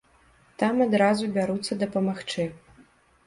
Там адразу бяруцца дапамагчы.